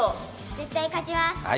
絶対に勝ちます！